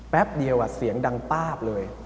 แป๊บเดียวเสียงดังป้าบเลย